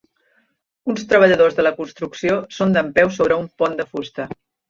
Uns treballadors de la construcció són dempeus sobre un pont de fusta.